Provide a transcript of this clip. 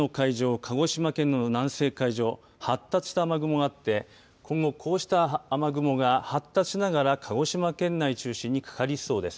鹿児島県の南西の海上発達した雨雲があって今後こうした雨雲が発達しながら鹿児島県内中心にかかりそうです。